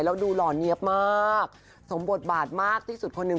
แล้วดูหล่อเนี๊ยบมากสมบทบาทมากที่สุดคนหนึ่ง